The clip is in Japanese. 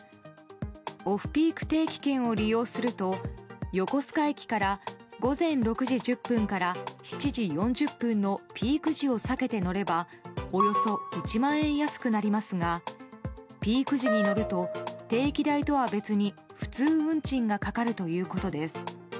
オフピーク定期券を利用すると横須賀駅から午前６時１０分から７時４０分のピーク時を避けて乗ればおよそ１万円安くなりますがピーク時に乗ると定期代とは別に普通運賃がかかるということです。